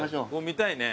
見たいね。